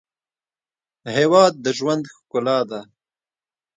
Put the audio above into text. هېواد د ژوند ښکلا ده.